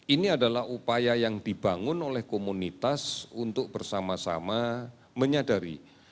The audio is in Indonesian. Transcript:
ini adalah upaya yang dibangun oleh komunitas untuk bersama sama menyadari